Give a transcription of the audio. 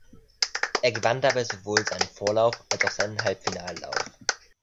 Er gewann dabei sowohl seinen Vorlauf als auch seinen Halbfinallauf.